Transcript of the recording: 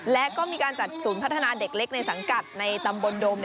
และก็มีการจัดศูนย์พัฒนาเด็กเล็กในสังกัดในตำบลดม